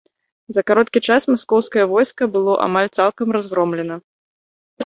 За кароткі час маскоўскае войска было амаль цалкам разгромлена.